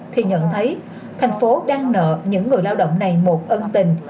khi nhận thấy thành phố đang nợ những người lao động này một ân tình